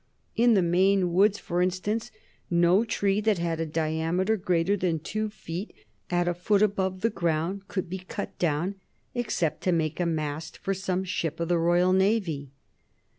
In the Maine woods, for instance, no tree that had a diameter greater than two feet at a foot above the ground could be cut down, except to make a mast for some ship of the Royal Navy.